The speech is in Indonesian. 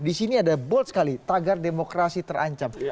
di sini ada bold sekali tagar demokrasi terancam